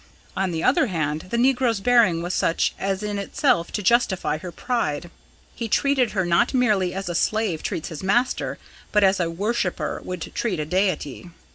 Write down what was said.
On the other hand, the negro's bearing was such as in itself to justify her pride. He treated her not merely as a slave treats his master, but as a worshipper would treat a deity.